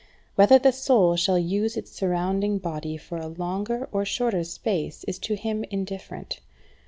Whether the soul shall use its surrounding body for a longer or shorter space is to him indifferent.